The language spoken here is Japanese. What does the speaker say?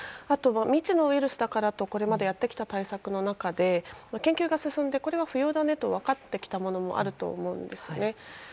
あとは、未知のウイルスだからとこれまでやってきた対策の中で研究が進んで、これは不要だねと分かってきたものもあると思うんですね。